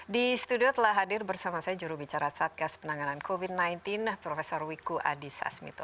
di studio telah hadir bersama saya jurubicara satgas penanganan covid sembilan belas prof wiku adhisa asmito